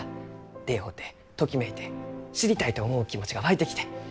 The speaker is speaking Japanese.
出会うてときめいて知りたいと思う気持ちが湧いてきて。